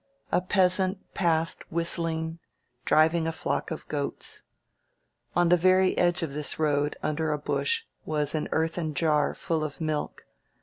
A peasant passed whist 237 INSURGENT MEXICX) ling, driying a flock of goats. On the very edge of this road, under a bush, was an earthen jar full of milk.